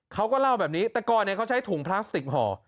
เขาก็เล่าแบบนี้แต่ก่อนเขาใช้ถุงพลาสติกห่อ